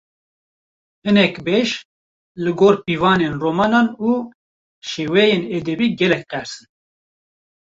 Hinek beş, li gor pîvanên romanan û şêweyên edebî gelek qels in